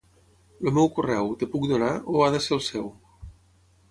El meu correu, et puc donar, o ha de ser el seu?